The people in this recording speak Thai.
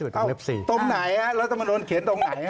ตรงไหนรัฐมนุนเขียนตรงไหน